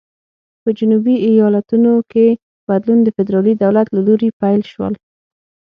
په جنوبي ایالتونو کې بدلون د فدرالي دولت له لوري پیل شول.